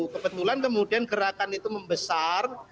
kebetulan kemudian gerakan itu membesar